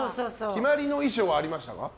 決まりの衣装はありましたか？